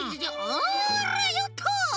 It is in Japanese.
あらよっと！